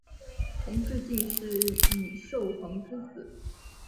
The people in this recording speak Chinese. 同治进士尹寿衡之子。